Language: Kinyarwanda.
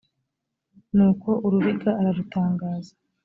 ni uko urubiga ararutangaza